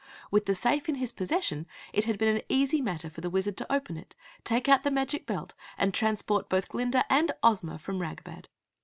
With the safe in his possession, it had been an easy matter for the Wizard to open it, take out the magic belt and transport both Glinda and Ozma from Ragbad.